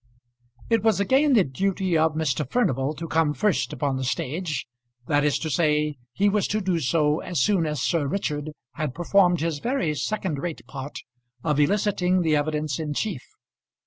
It was again the duty of Mr. Furnival to come first upon the stage, that is to say, he was to do so as soon as Sir Richard had performed his very second rate part of eliciting the evidence in chief.